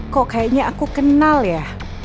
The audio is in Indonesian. kok kayaknya aku kenal ya